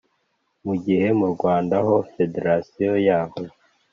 mu gihe mu Rwanda ho federasiyo yaho